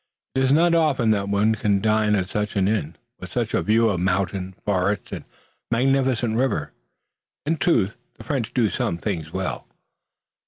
It is not often that one can dine at such an inn, with such a view of mountain, forest and magnificent river. In truth, the French do some things well."